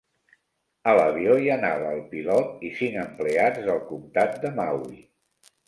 A l'avió hi anava el pilot i cinc empleats del comtat de Maui.